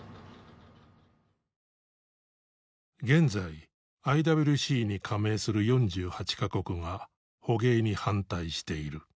現在ＩＷＣに加盟する４８か国が捕鯨に反対している。